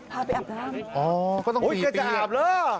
พาไปอาบน้ำเพราะต้องปีโอ้ยแกจะอาบหรือ